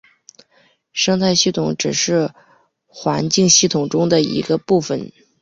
生态系统只是环境系统中的一个部分。